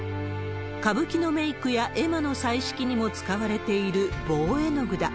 歌舞伎のメークや絵馬の彩色にも使われている棒絵具だ。